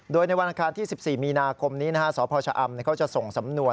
โดยในวันอังคารที่๑๔มีนาคมนี้สพชะอำเขาจะส่งสำนวน